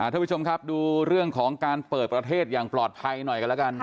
ทุกผู้ชมครับดูเรื่องของการเปิดประเทศอย่างปลอดภัยหน่อยกันแล้วกัน